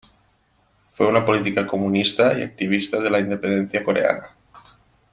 Fue una política comunista y activista de la independencia coreana.